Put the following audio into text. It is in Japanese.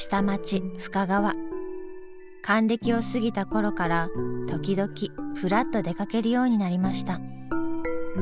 還暦を過ぎた頃から時々ふらっと出かけるようになりました。